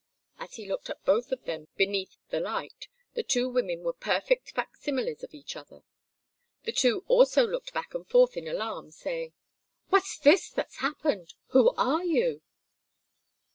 As he looked at both of them beneath the light the two women were perfect facsimiles of each other. The two also looked back and forth in alarm, saying, "What's this that's happened? Who are you?"